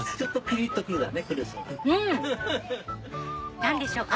うん！何でしょうか？